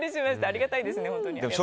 ありがたいですね、でも。